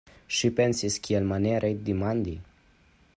Ŝi pensis: kiamaniere demandi?